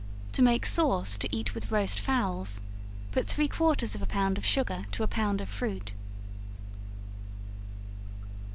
To make sauce to eat with roast fowls, put three quarters of a pound of sugar to a pound of fruit.